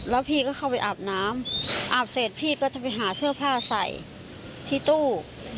แล้วพี่ก็เข้าไปอาบน้ำอาบเสร็จพี่ก็จะไปหาเสื้อผ้าใส่ที่ตู้